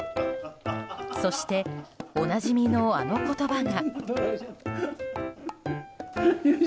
そしておなじみのあの言葉が。